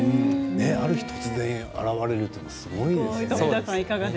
ある日、突然現れるってすごいですね。